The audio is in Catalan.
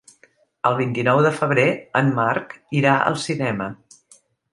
El vint-i-nou de febrer en Marc irà al cinema.